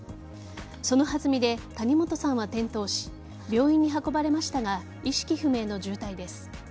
その弾みで谷本さんは転倒し病院に運ばれましたが意識不明の重体です。